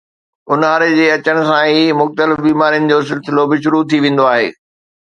اونهاري جي اچڻ سان ئي مختلف بيمارين جو سلسلو به شروع ٿي ويندو آهي